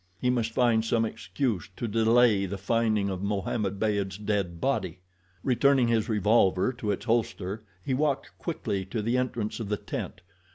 He must find some excuse to delay the finding of Mohammed Beyd's dead body. Returning his revolver to its holster, he walked quickly to the entrance of the tent.